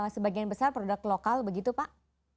sebagian besar produk lokal begitu pak